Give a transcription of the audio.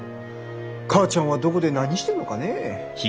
母ちゃんはどこで何してるのかねぇ？